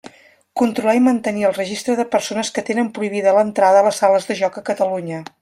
Controlar i mantenir el Registre de persones que tenen prohibida l'entrada a les sales de joc a Catalunya.